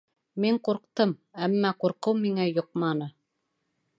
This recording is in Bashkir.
Мин ҡурҡтым, әммә... ҡурҡыу миңә йоҡманы.